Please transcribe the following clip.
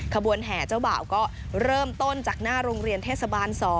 ขบวนแห่เจ้าบ่าวก็เริ่มต้นจากหน้าโรงเรียนเทศบาล๒